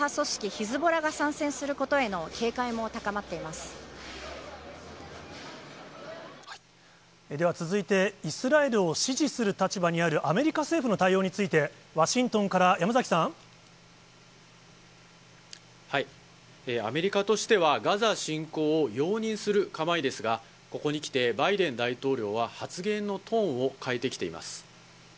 ヒズボラが参戦することへの警戒も高まっでは、続いてイスラエルを支持する立場にあるアメリカ政府の対応について、アメリカとしては、ガザ侵攻を容認する構えですが、ここにきて、バイデン大統領は発言のトーンを変えてきています。